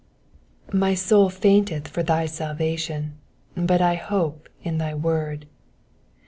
MY soul fainteth for thy salvation : but I hope in thy word.